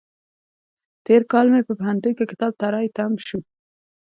تېر کال مې په پوهنتون کې کتاب تری تم شو.